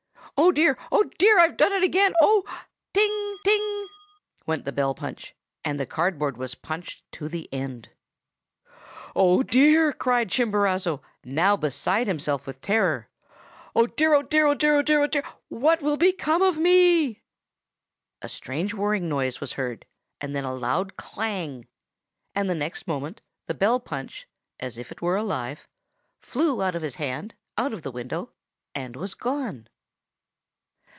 Oh, dear! oh, dear! I've done it again! oh—' 'Ting! ting!' went the bell punch; and the cardboard was punched to the end. 'Oh, dear!' cried Chimborazo, now beside himself with terror. 'Oh, dear! oh, dear! oh, dear! oh, dear!! what will become of me?' "A strange whirring noise was heard, then a loud clang; and the next moment the bell punch, as if it were alive, flew out of his hand, out of the window, and was gone!